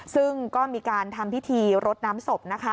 ซึ่งก็มีการทำพิธีรดน้ำศพนะคะ